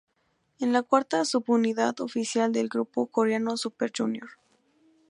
Es la cuarta sub-unidad oficial del grupo coreano Super Junior.